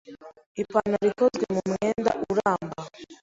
Ipantaro ikozwe mu mwenda uramba.